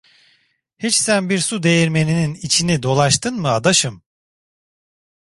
Hiç sen bir su değirmeninin içini dolaştın mı adaşım?